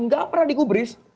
tidak pernah di gubris